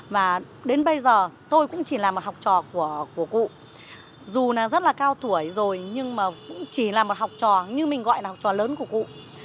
và đến bây giờ tôi cũng chỉ là một học trò của cụ dù là rất là cao tuổi rồi nhưng mà cũng chỉ là một học trò như mình gọi là học trò lớn của cụ